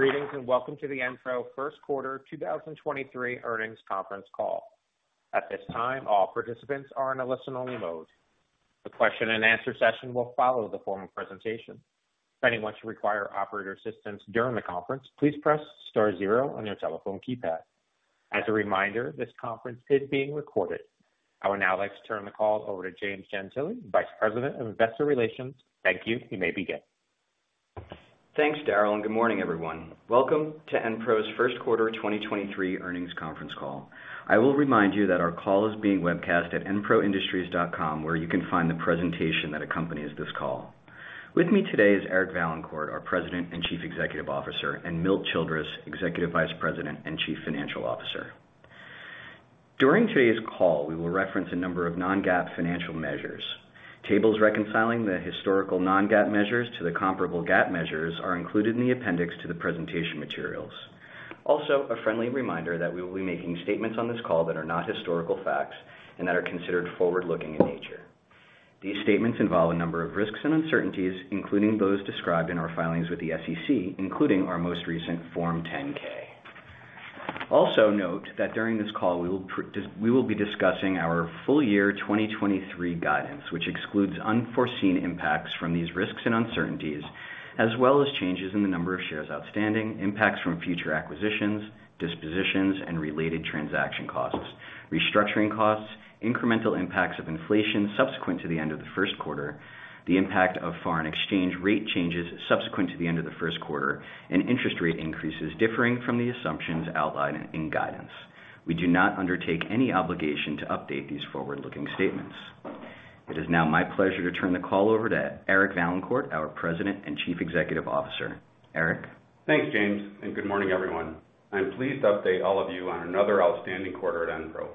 Greetings, welcome to the Enpro Q1 2023 Earnings Conference Call. At this time, all participants are in a listen-only mode. The Q&A session will follow the formal presentation. If anyone should require operator assistance during the conference, please press star zero on your telephone keypad. As a reminder, this conference is being recorded. I would now like to turn the call over to James Gentile, Vice President of Investor Relations. Thank you. You may begin. Thanks, Darrell, and good morning, everyone. Welcome to Enpro's Q1 2023 Earnings Conference Call. I will remind you that our call is being webcast at enproindustries.com, where you can find the presentation that accompanies this call. With me today is Eric Vaillancourt, our President and Chief Executive Officer, and Milt Childress, Executive Vice President and Chief Financial Officer. During today's call, we will reference a number of non-GAAP financial measures. Tables reconciling the historical non-GAAP measures to the comparable GAAP measures are included in the appendix to the presentation materials. A friendly reminder that we will be making statements on this call that are not historical facts and that are considered forward-looking in nature. These statements involve a number of risks and uncertainties, including those described in our filings with the SEC, including our most recent Form 10-K. Also note that during this call, we will be discussing our full year 2023 guidance, which excludes unforeseen impacts from these risks and uncertainties, as well as changes in the number of shares outstanding, impacts from future acquisitions, dispositions, and related transaction costs, restructuring costs, incremental impacts of inflation after the end of Q1, the impact of foreign exchange rate changes subsequent to the end of Q1, and interest rate increases differing from the assumptions outlined in guidance. We do not undertake any obligation to update these forward-looking statements. It is now my pleasure to turn the call over to Eric Vaillancourt, our President and Chief Executive Officer. Eric? Thanks, James. Good morning, everyone. I'm pleased to update all of you on another outstanding quarter at Enpro.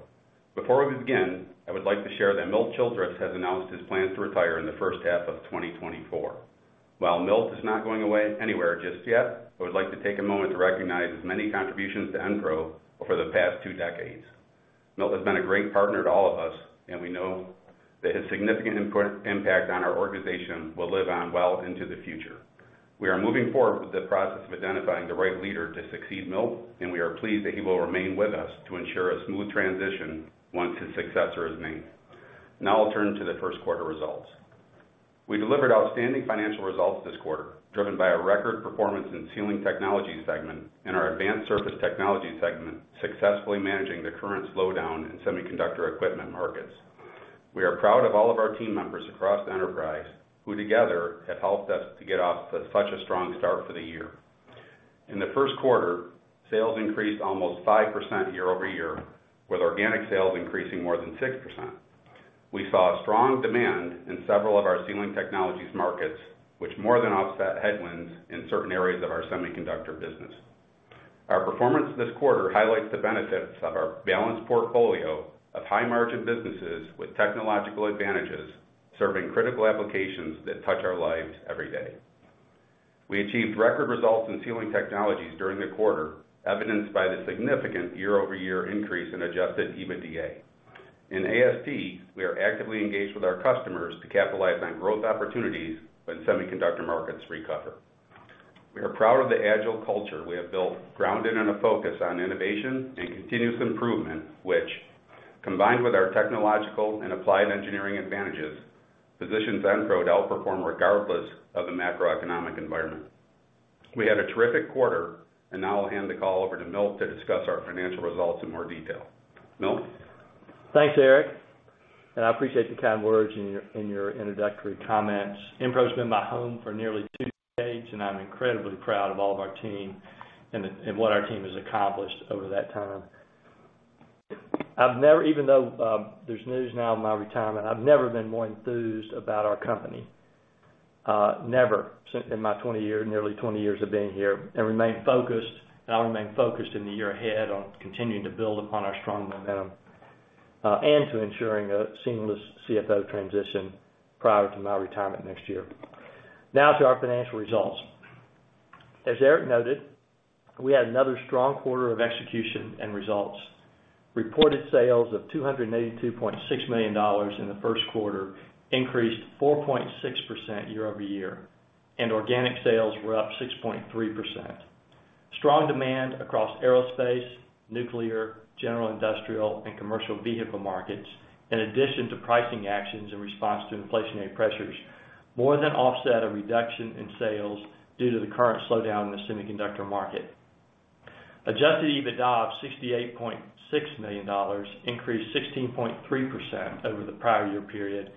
Before we begin, I would like to share that Milt Childress has announced his plans to retire in H1 2024. While Milt is not going anywhere just yet, I would like to take a moment to recognize his many contributions to Enpro over the past two decades. Milt has been a great partner to all of us. We know that his significant impact on our organization will live on well into the future. We are moving forward with the process of identifying the right leader to succeed Milt. We are pleased that he will remain with us to ensure a smooth transition once his successor is named. Now I'll turn to Q1 results. We delivered outstanding financial results this quarter, driven by a record performance in the Sealing Technologies segment and our Advanced Surface Technologies segment, successfully managing the current slowdown in semiconductor equipment markets. We are proud of all of our team members across the enterprise who together have helped us to get off to such a strong start for the year. In Q1, sales increased almost 5% year-over-year, with organic sales increasing more than 6%. We saw strong demand in several of our Sealing Technologies markets, which more than offset headwinds in certain areas of our semiconductor business. Our performance this quarter highlights the benefits of our balanced portfolio of high-margin businesses with technological advantages, serving critical applications that touch our lives every day. We achieved record results in Sealing Technologies during the quarter, evidenced by the significant year-over-year increase in adjusted EBITDA. In AST, we are actively engaged with our customers to capitalize on growth opportunities when semiconductor markets recover. We are proud of the agile culture we have built, grounded in a focus on innovation and continuous improvement, which, combined with our technological and applied engineering advantages, positions Enpro to outperform regardless of the macroeconomic environment. Now I'll hand the call over to Milt to discuss our financial results in more detail. Milt? Thanks, Eric. I appreciate the kind words in your introductory comments. Enpro's been my home for nearly two decades, and I'm incredibly proud of all of our team and what our team has accomplished over that time. Even though there's news now of my retirement, I've never been more enthused about our company, never since in my nearly 20 years of being here. I remain focused, and I'll remain focused in the year ahead on continuing to build upon our strong momentum and to ensure a seamless CFO transition prior to my retirement next year. To our financial results. As Eric noted, we had another strong quarter of execution and results. Reported sales of $282.6 million in Q1 increased 4.6% year-over-year, and organic sales were up 6.3%. Strong demand across aerospace, nuclear, general industrial, and commercial vehicle markets, in addition to pricing actions in response to inflationary pressures, more than offset a reduction in sales due to the current slowdown in the semiconductor market. Adjusted EBITDA of $68.6 million increased 16.3% over the prior year period,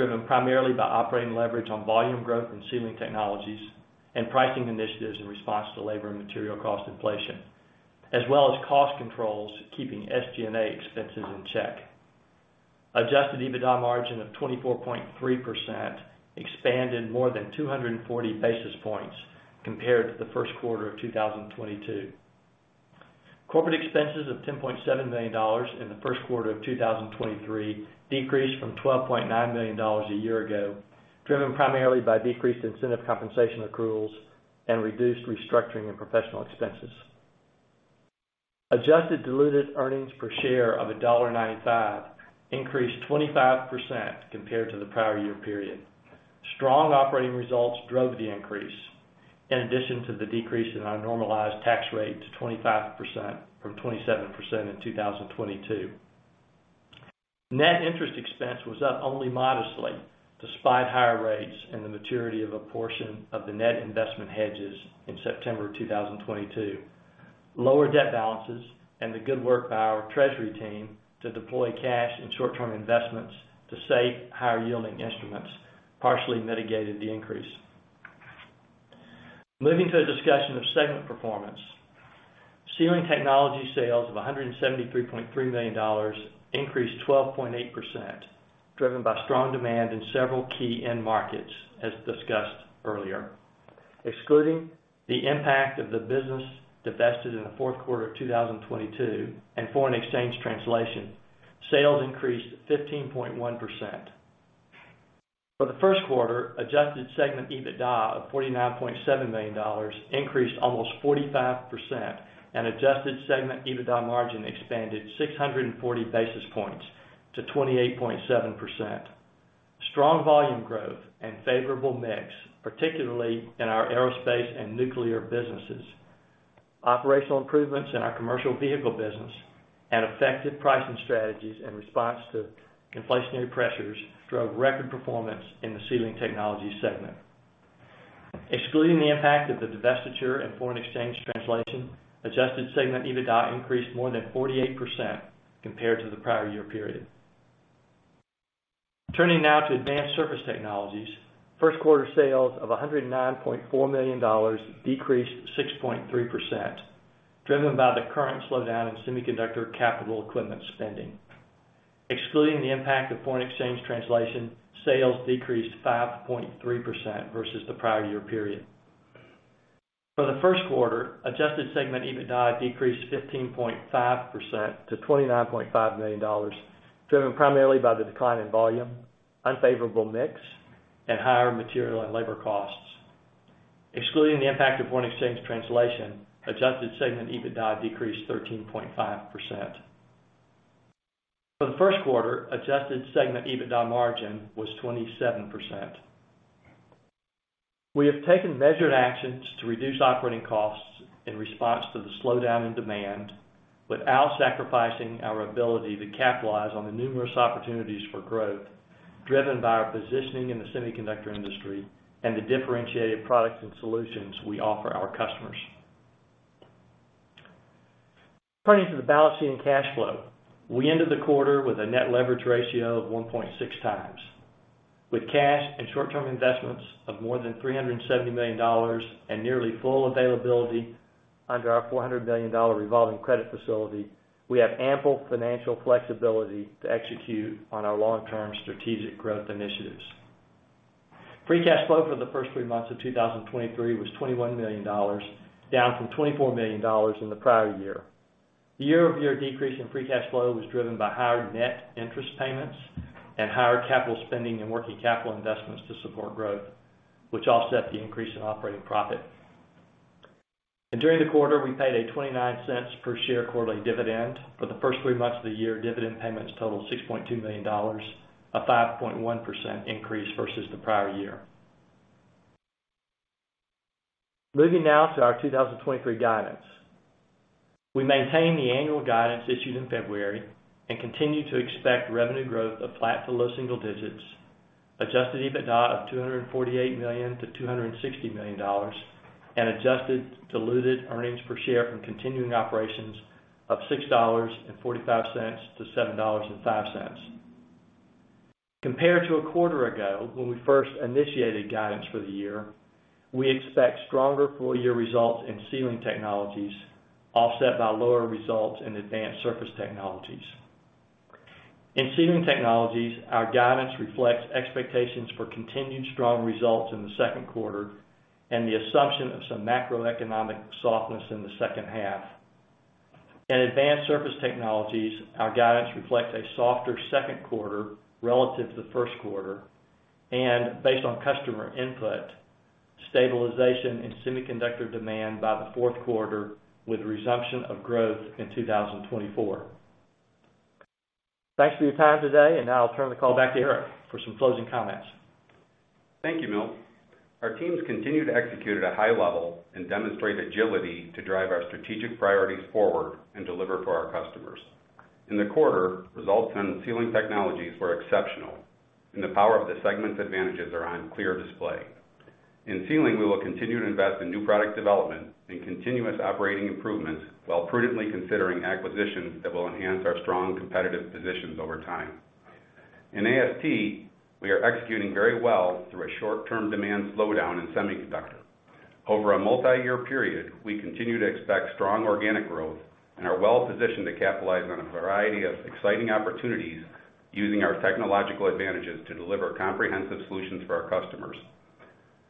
driven primarily by operating leverage on volume growth in Sealing Technologies and pricing initiatives in response to labor and material cost inflation, as well as cost controls keeping SG&A expenses in check. Adjusted EBITDA margin of 24.3% expanded more than 240 basis points compared to Q1 of 2022. Corporate expenses of $10.7 million in Q1 of 2023 decreased from $12.9 million a year ago, driven primarily by decreased incentive compensation accruals and reduced restructuring and professional expenses. Adjusted diluted earnings per share of $1.95 increased 25% compared to the prior year period. Strong operating results drove the increase, in addition to the decrease in our normalized tax rate to 25% from 27% in 2022. Net interest expense was up only modestly despite higher rates and the maturity of a portion of the net investment hedges in September 2022. Lower debt balances and the good work by our treasury team to deploy cash and short-term investments to save higher-yielding instruments partially mitigated the increase. Moving to a discussion of segment performance. Sealing Technologies' sales of $173.3 million increased 12.8%, driven by strong demand in several key end markets as discussed earlier. Excluding the impact of the business divested in Q4 of 2022 and foreign exchange translation, sales increased 15.1%. For Q1, adjusted segment EBITDA of $49.7 million increased almost 45%, and adjusted segment EBITDA margin expanded 640 basis points to 28.7%. Strong volume growth and favorable mix, particularly in our aerospace and nuclear businesses, operational improvements in our commercial vehicle business, and effective pricing strategies in response to inflationary pressures drove record performance in the Sealing Technologies segment. Excluding the impact of the divestiture and foreign exchange translation, adjusted segment EBITDA increased more than 48% compared to the prior year period. Turning now to Advanced Surface Technologies, Q1 sales of $109.4 million decreased 6.3%, driven by the current slowdown in semiconductor capital equipment spending. Excluding the impact of foreign exchange translation, sales decreased 5.3% versus the prior year period. For Q1, adjusted segment EBITDA decreased 15.5% to $29.5 million, driven primarily by the decline in volume, unfavorable mix, and higher material and labor costs. Excluding the impact of foreign exchange translation, adjusted segment EBITDA decreased 13.5%. For Q1, adjusted segment EBITDA margin was 27%. We have taken measured actions to reduce operating costs in response to the slowdown in demand without sacrificing our ability to capitalize on the numerous opportunities for growth driven by our positioning in the semiconductor industry and the differentiated products and solutions we offer our customers. Turning to the balance sheet and cash flow. We ended the quarter with a net leverage ratio of 1.6 times. With cash and short-term investments of more than $370 million and nearly full availability under our $400 million revolving credit facility, we have ample financial flexibility to execute on our long-term strategic growth initiatives. Free cash flow for the first three months of 2023 was $21 million, down from $24 million in the prior year. The year-over-year decrease in free cash flow was driven by higher net interest payments, higher capital spending, and working capital investments to support growth, which offset the increase in operating profit. During the quarter, we paid a $0.29 per share quarterly dividend. For the first three months of the year, dividend payments totaled $6.2 million, a 5.1% increase versus the prior year. Moving now to our 2023 guidance. We maintain the annual guidance issued in February and continue to expect revenue growth of flat to low single digits, adjusted EBITDA of $248 million-$260 million, and adjusted diluted earnings per share from continuing operations of $6.45-$7.05. Compared to a quarter ago, when we first initiated guidance for the year, we expect stronger full-year results in Sealing Technologies, offset by lower results in Advanced Surface Technologies. In Sealing Technologies, our guidance reflects expectations for continued strong results in Q2 and the assumption of some macroeconomic softness in the second half. In Advanced Surface Technologies, our guidance reflects a softer Q2 relative to Q1, and based on customer input, stabilization in semiconductor demand by Q4, with resumption of growth in 2024. Thanks for your time today. Now I'll turn the call back to Eric for some closing comments. Thank you, Milt. Our teams continue to execute at a high level and demonstrate agility to drive our strategic priorities forward and deliver to our customers. In the quarter, results in Sealing Technologies were exceptional; the power of the segment's advantages is on clear display. In Sealing, we will continue to invest in new product development and continuous operating improvements while prudently considering acquisitions that will enhance our strong competitive positions over time. In AST, we are executing very well through a short-term demand slowdown in the semiconductor. Over a multi-year period, we continue to expect strong organic growth and are well-positioned to capitalize on a variety of exciting opportunities using our technological advantages to deliver comprehensive solutions for our customers.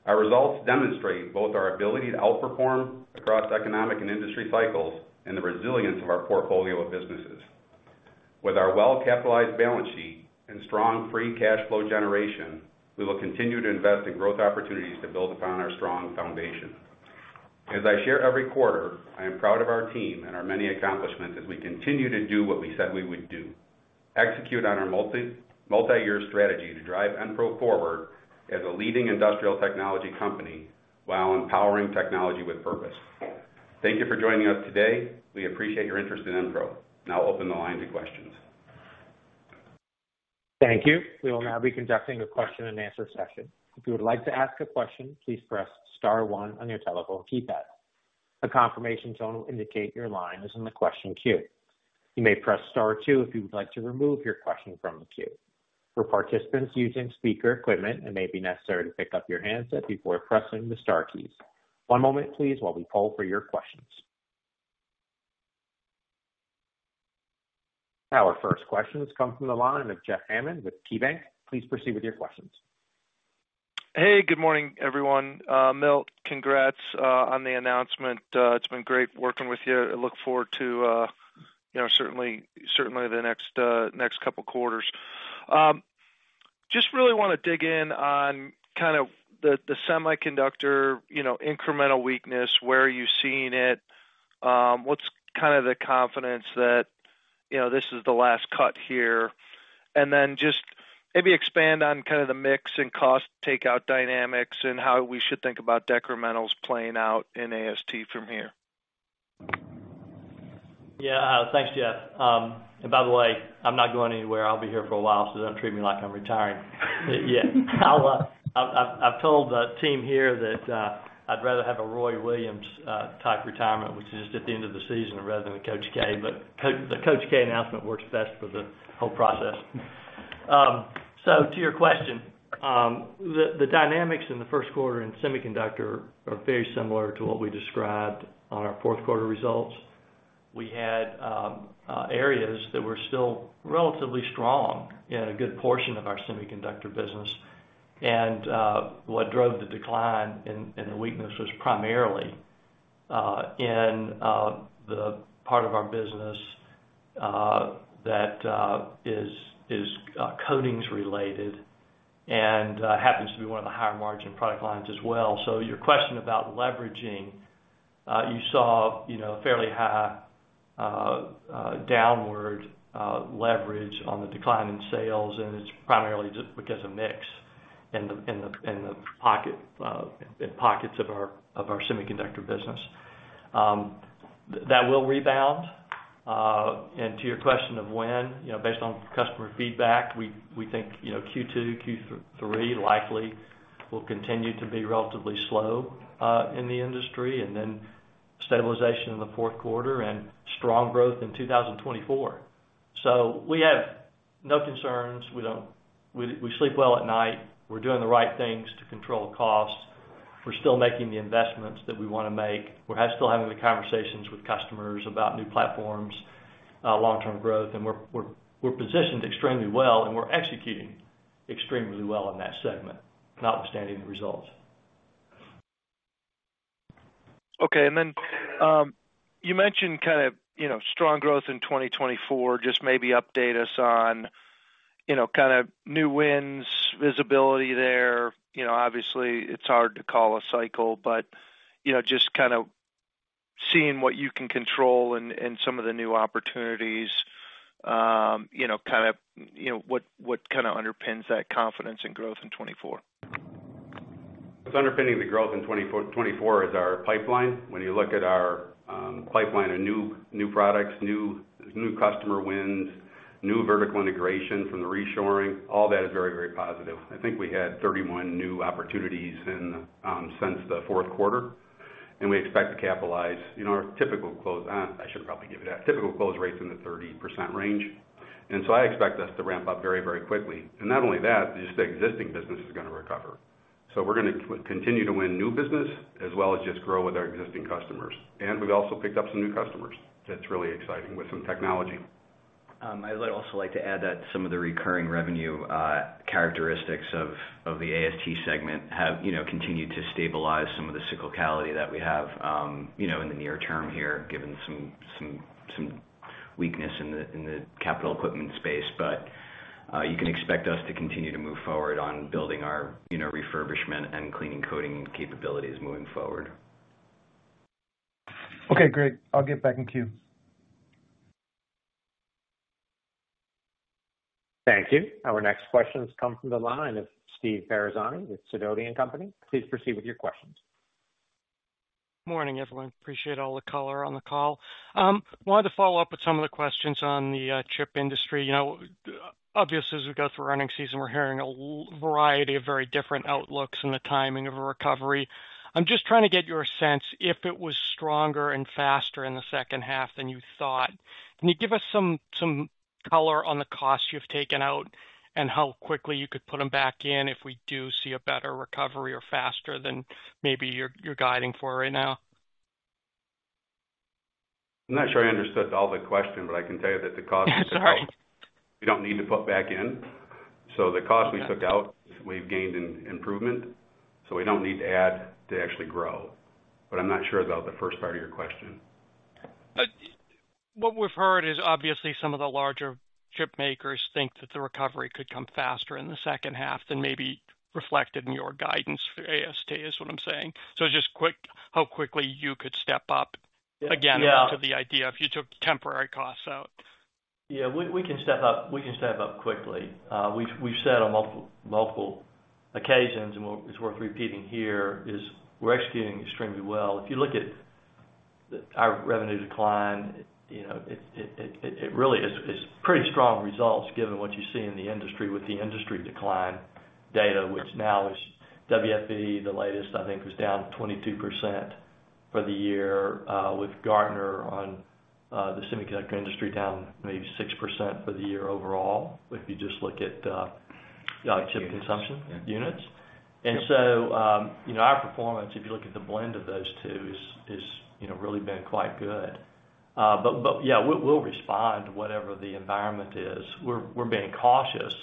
Our results demonstrate both our ability to outperform across economic and industry cycles and the resilience of our portfolio of businesses. With our well-capitalized balance sheet and strong free cash flow generation, we will continue to invest in growth opportunities to build upon our strong foundation. As I share every quarter, I am proud of our team and our many accomplishments as we continue to do what we said we would do: execute on our multiyear strategy to drive EnPro forward as a leading industrial technology company while empowering technology with purpose. Thank you for joining us today. We appreciate your interest in EnPro. Now open the line to questions. Thank you. We will now be conducting a Q&A session. If you would like to ask a question, please press star one on your telephone keypad. A confirmation tone will indicate your line is in the question queue. You may press star two if you would like to remove your question from the queue. For participants using speaker equipment, it may be necessary to pick up your handset before pressing the star keys. One moment please while we poll for your questions. Our first questions come from the line of Jeff Hammond with KeyBanc. Please proceed with your questions. Hey, good morning, everyone. Milt, congrats on the announcement. It's been great working with you. I look forward to, you know, certainly the next couple of quarters. Just really wanna dig in on kind of the semiconductor, you know, incremental weakness. Where are you seeing it? What's the kind of confidence that, you know, this is the last cut here? Just maybe expand on kind of the mix and cost takeout dynamics and how we should think about decrementals playing out in AST from here. Yeah. Thanks, Jeff. By the way, I'm not going anywhere. I'll be here for a while, so don't treat me like I'm retiring yet. I'll, I've told the team here that, I'd rather have a Roy Williams type retirement, which is just at the end of the season rather than a Coach K. The Coach K announcement works best for the whole process. To your question, the dynamics in Q1 in semiconductor are very similar to what we described on our Q4 results. We had areas that were still relatively strong in a good portion of our semiconductor business. What drove the decline and the weakness was primarily in the part of our business that is coatings related and happens to be one of the higher margin product lines as well. Your question about leveraging, you saw, you know, a fairly high downward leverage on the decline in sales, and it's primarily just because of mix in the pocket, in pockets of our semiconductor business. That will rebound. To your question of when, you know, based on customer feedback, we think, you know, Q2, Q3 likely will continue to be relatively slow in the industry and then stabilization in Q4 and strong growth in 2024. We have no concerns. We don't... We sleep well at night. We're doing the right things to control costs. We're still making the investments that we wanna make. We're still having the conversations with customers about new platforms, long-term growth, and we're positioned extremely well, and we're executing extremely well in that segment, notwithstanding the results. Okay. You mentioned kind of, you know, strong growth in 2024. Just maybe update us on, you know, kind of new wins, visibility there. You know, obviously it's hard to call a cycle, but, you know, just kind of seeing what you can control and some of the new opportunities, you know, kind of, you know, what kinda underpins that confidence in growth in 2024? What's underpinning the growth in 2024 is our pipeline. When you look at our pipeline of new products, new customer wins, new vertical integration from the reshoring, all that is very positive. I think we had 31 new opportunities since Q4, and we expect to capitalize in our typical close on. I should probably give you that. Typical close rates in the 30% range. I expect us to ramp up very quickly. Not only that, just the existing business is gonna recover. We're gonna continue to win new business as well as just grow with our existing customers. We've also picked up some new customers. That's really exciting, with some technology. I would also like to add that some of the recurring revenue, characteristics of the AST segment have, you know, continued to stabilize some of the cyclicality that we have, you know, in the near term here, given some weakness in the, in the capital equipment space. You can expect us to continue to move forward on building our, you know, refurbishment and clean coating capabilities moving forward. Okay, great. I'll get back in queue. Thank you. Our next questions come from the line of Steve Ferazani with Sidoti & Company. Please proceed with your questions. Morning, everyone. Appreciate all the color on the call. wanted to follow up with some of the questions on the chip industry. You know, obviously, as we go through earnings season, we're hearing a variety of very different outlooks on the timing of a recovery. I'm just trying to get your sense if it was stronger and faster in the second half than you thought. Can you give us some color on the costs you've taken out and how quickly you could put them back in if we do see a better recovery or faster than maybe you're guiding for right now? I'm not sure I understood all the question, but I can tell you that. Sorry. We don't need to put back in. The cost we took out, we've gained in improvement, so we don't need to add to actually grow. I'm not sure about the first part of your question. What we've heard is, obviously some of the larger chip makers think that the recovery could come faster in the second half than maybe reflected in your guidance for AST, is what I'm saying. How quickly you could step up again. Yeah. back to the idea if you took temporary costs out. Yeah. We can step up quickly. We've said on multiple occasions, and it's worth repeating here, is we're executing extremely well. If you look at our revenue decline, you know, it really is pretty strong results given what you see in the industry with the industry decline data, which now is WFE. The latest, I think, was down 22% for the year with Gartner on the semiconductor industry down maybe 6% for the year overall, if you just look at chip consumption units. you know, our performance, if you look at the blend of those two, is, you know, really been quite good. but yeah, we'll respond whatever the environment is. We're being cautious.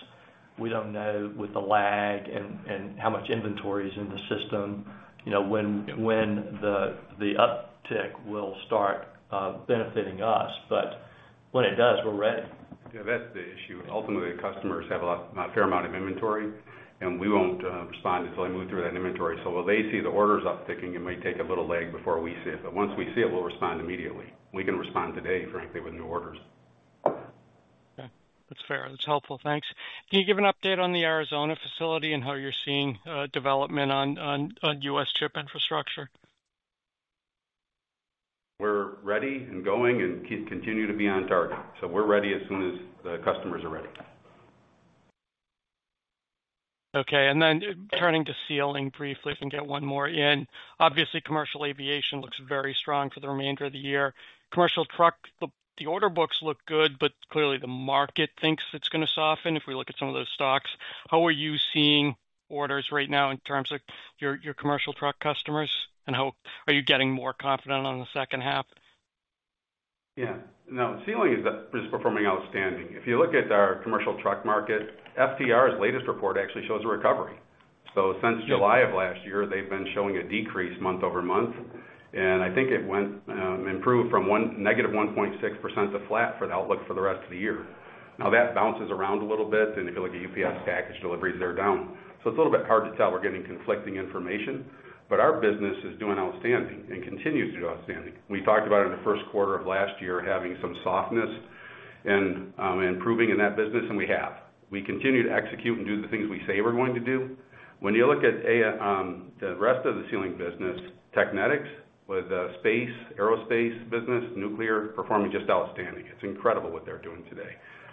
We don't know with the lag and how much inventory is in the system, you know, when the uptick will start benefiting us, but when it does, we're ready. Yeah, that's the issue. Ultimately, customers have a fair amount of inventory, and we won't respond until they move through that inventory. While they see the orders upticking, it may take a little lag before we see it, but once we see it, we'll respond immediately. We can respond today, frankly, with new orders. Okay. That's fair. That's helpful. Thanks. Can you give an update on the Arizona facility and how you're seeing development on U.S. chip infrastructure? We're ready and going and keep continuing to be on target, so we're ready as soon as the customers are ready. Okay. Turning to Sealing briefly, if we can get one more in. Obviously, commercial aviation looks very strong for the remainder of the year. Commercial truck, the order books look good, but clearly the market thinks it's gonna soften if we look at some of those stocks. How are you seeing orders right now in terms of your commercial truck customers, and how are you getting more confident about the second half? Yeah. No, Sealing is performing outstanding. If you look at our commercial truck market, FTR's latest report actually shows a recovery. Since July of last year, they've been showing a decrease month-over-month, and I think it has improved from -1.6% to flat for the outlook for the rest of the year. That bounces around a little bit, and if you look at UPS package deliveries, they're down. It's a little bit hard to tell. We're getting conflicting information, but our business is doing outstanding and continues to do outstanding. We talked about it in Q1 of last year, having some softness and improving in that business, and we have. We continue to execute and do the things we say we're going to do. When you look at the rest of the Sealing Technologies business, Technetics, with space, aerospace, and nuclear performing just outstanding. It's incredible what they're doing today.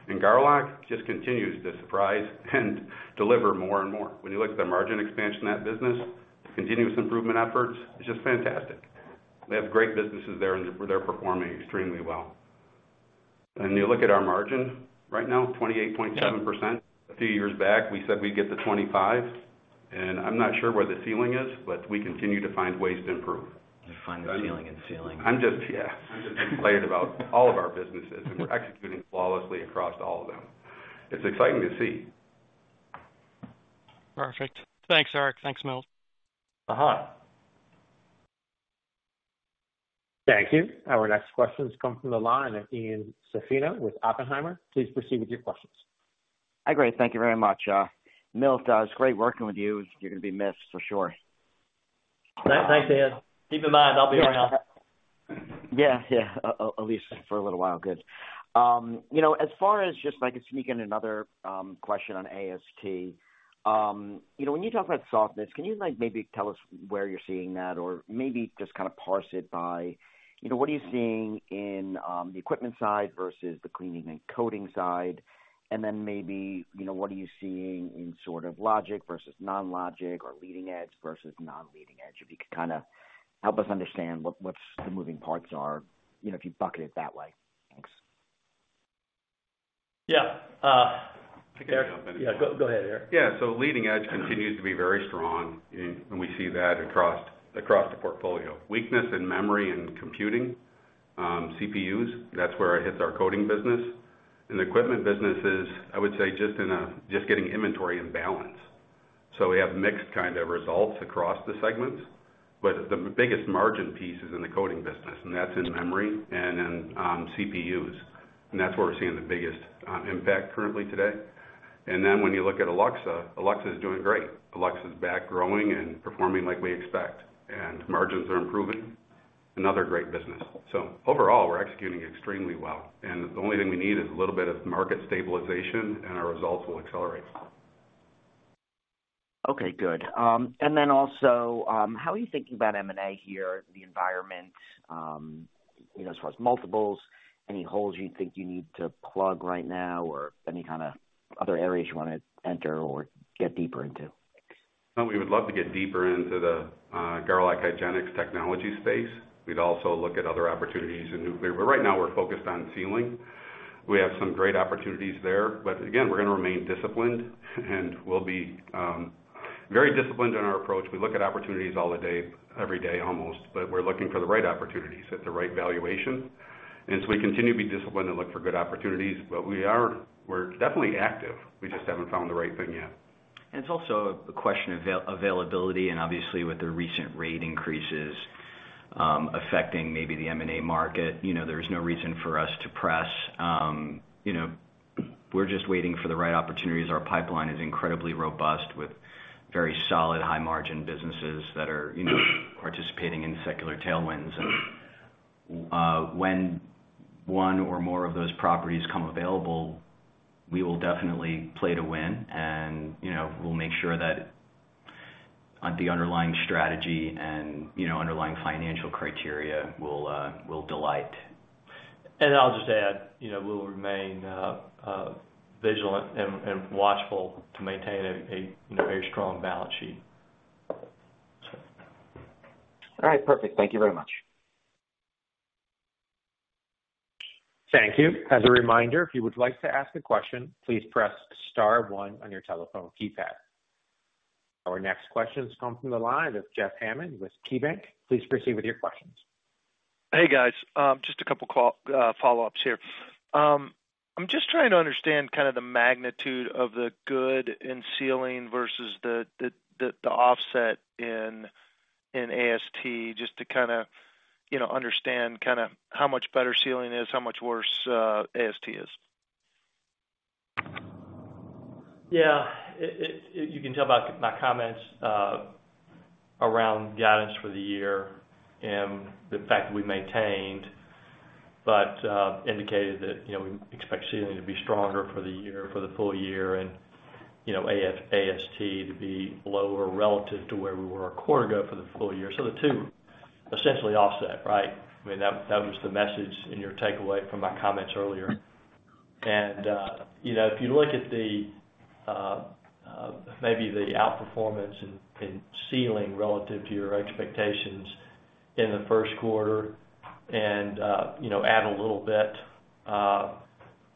Garlock just continues to surprise and deliver more and more. When you look at the margin expansion in that business, the continuous improvement efforts, it's just fantastic. They have great businesses there, and they're performing extremely well. You look at our margin right now, 28.7%. A few years back, we said we'd get to 25, and I'm not sure where the ceiling is, but we continue to find ways to improve. You find the ceiling in Sealing. Yeah, I'm just excited about all of our businesses, and we're executing flawlessly across all of them. It's exciting to see. Perfect. Thanks, Eric. Thanks, Milt. Uh-huh. Thank you. Our next question comes from the line of Ian Zaffino with Oppenheimer. Please proceed with your questions. Hi. Great. Thank you very much. Milt, it's great working with you. You're gonna be missed for sure. Thanks. Thanks, Ian. Keep in mind I'll be around. Yeah. Yeah. At least for a little while. Good. You know, as far as just if I could sneak in another question on AST. You know, when you talk about softness, can you like maybe tell us where you're seeing that or maybe just kind of parse it by, you know, what are you seeing in the equipment side versus the cleaning and coating side? Maybe, you know, what are you seeing in sort of logic versus non-logic or leading edge versus non-leading edge? If you could kind of help us understand what's the moving parts are, you know, if you bucket it that way. Thanks. Yeah. I can jump in as well. Yeah. Go ahead, Eric. Yeah. Leading edge continues to be very strong, and we see that across the portfolio. Weakness in memory and computing, CPUs, that's where it hits our cleaning business. The equipment business is, I would say, just getting inventory in balance. We have mixed kinds of results across the segments, but the biggest margin piece is in the cleaning business, and that's in memory and in CPUs. That's where we're seeing the biggest impact currently. When you look at Alluxa is doing great. Alluxa is back growing and performing as we expect, and margins are improving. Another great business. Overall, we're executing extremely well, and the only thing we need is a little bit of market stabilization, and our results will accelerate. Okay, good. How are you thinking about M&A here, the environment, you know, as far as multiples, any holes you think you need to plug right now or any kind of other areas you wanna enter or get deeper into? No, we would love to get deeper into the Garlock Hygienic technology space. We'd also look at other opportunities in nuclear, but right now we're focused on Sealing. We have some great opportunities there. Again, we're gonna remain disciplined, and we'll be very disciplined in our approach. We look at opportunities all day, every day almost but we're looking for the right opportunities at the right valuation. We continue to be disciplined and look for good opportunities. We're definitely active. We just haven't found the right thing yet. It's also a question of availability, and obviously, with the recent rate increases, affecting maybe the M&A market, you know, there's no reason for us to press, you know. We're just waiting for the right opportunities. Our pipeline is incredibly robust with very solid high-margin businesses that are, you know, participating in secular tailwinds. When one or more of those properties come available, we will definitely play to win and, you know, we'll make sure that the underlying strategy and, you know, underlying financial criteria will delight. I'll just add, you know, we'll remain vigilant and watchful to maintain a, you know, very strong balance sheet. All right. Perfect. Thank you very much. Thank you. As a reminder, if you would like to ask a question, please press star 1 on your telephone keypad. Our next question comes from the line of Jeff Hammond with KeyBanc. Please proceed with your questions. Hey, guys. Just a couple of follow-ups here. I'm just trying to understand, kinda the magnitude of the good in Sealing versus the offset in AST just to kinda, you know, understand kinda how much better Sealing is, how much worse AST is? Yeah. You can tell by my comments around guidance for the year and the fact that we maintained, but indicated that, you know, we expect Sealing to be stronger for the full year and, you know, AST to be lower relative to where we were a quarter ago for the full year. The two essentially offset, right? I mean, that was the message in your takeaway from my comments earlier. You know, if you look at the, maybe the outperformance in Sealing relative to your expectations in Q1, you know, add a little bit,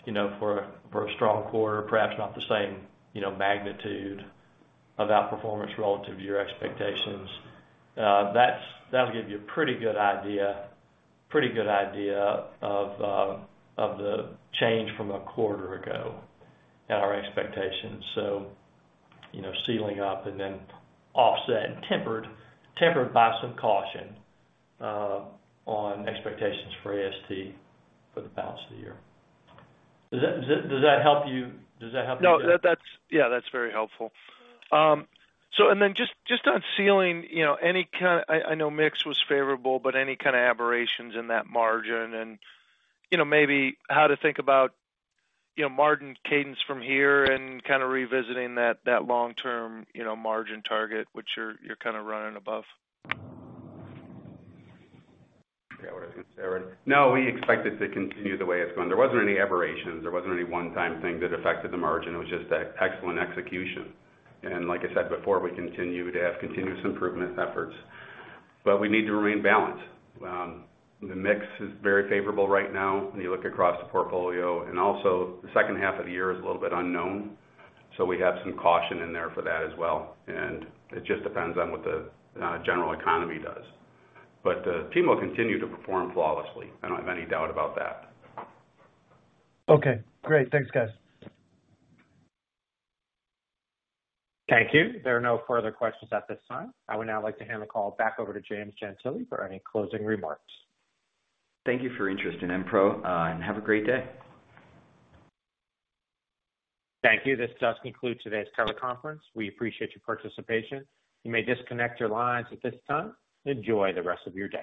you know, for a strong quarter, perhaps not the same, you know, magnitude of outperformance relative to your expectations. That'll give you a pretty good idea of the change from a quarter ago and our expectations. You know, Sealing up and then offset and tempered by some caution, on expectations for AST for the balance of the year. Does that help you? Does that help you, Jeff? No. Yeah. That's very helpful. Just on Sealing, you know, I know mix was favorable, but any kind of aberrations in that margin and, you know, maybe how to think about, you know, margin cadence from here and kinda revisiting that long-term, you know, margin target, which you're kinda running above. Yeah. What are you saying? We expect it to continue the way it's going. There weren't any aberrations. There wasn't any one-time thing that affected the margin. It was just excellent execution. As said before, we continue to have continuous improvement efforts. We need to remain balanced. The mix is very favorable right now when you look across the portfolio. Also, H2 is a little bit unknown, so we have some caution in there for that as well. It just depends on what the general economy does. The team will continue to perform flawlessly. I don't have any doubt about that. Okay, great. Thanks, guys. Thank you. There are no further questions at this time. I would now like to hand the call back over to James Gentile for any closing remarks. Thank you for your interest in Enpro, and have a great day. Thank you. This does conclude today's teleconference. We appreciate your participation. You may disconnect your lines at this time. Enjoy the rest of your day.